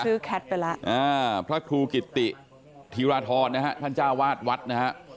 แคทไปแล้วพระครูกิติธีรทรนะฮะท่านเจ้าวาดวัดนะฮะ